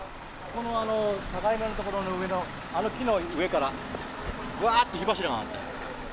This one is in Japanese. この境目の所の上のあの木の上から、わーっと火柱が上がった。